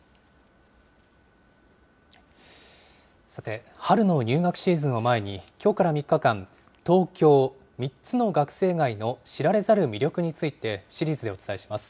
さて、春の入学シーズンを前に、きょうから３日間、東京、３つの学生街の知られざる魅力についてシリーズでお伝えします。